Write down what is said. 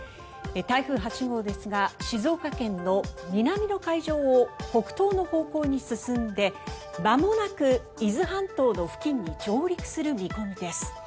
台風８号ですが静岡県の南の海上を北東の方向に進んでまもなく伊豆半島の付近に上陸する見込みです。